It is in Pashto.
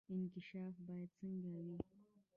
انکشاف باید څنګه وي؟